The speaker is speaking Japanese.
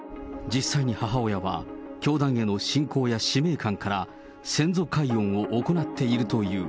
実際に母親は、教団への信仰や使命感から、先祖解怨を行っているという。